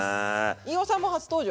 飯尾さんも初登場！